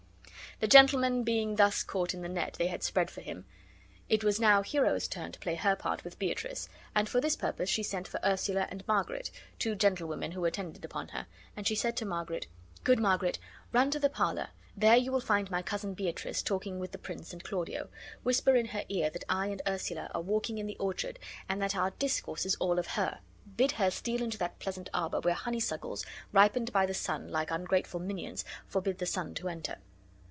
The gentleman being thus caught in the net they had spread for him, it was now Hero's turn to play her part with Beatrice; and for this purpose she sent for Ursula and Margaret, two gentlewomen who attended upon her, and she said to Margaret: "Good Margaret, run to the parlor; there you will find my cousin Beatrice talking with the prince and Claudio. Whisper in her ear that I and Ursula are walking in the orchard and that our discourse is all of her. Bid her steal into that pleasant arbor, where honeysuckles, ripened by the sun, like ungrateful minions, forbid the sun to enter."